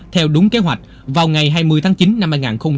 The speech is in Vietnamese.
theo đúng kế hoạch vào ngày hai mươi tháng chín năm hai nghìn một mươi chín